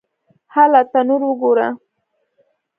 _هله! تنور وګوره!